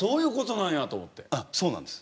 あっそうなんです。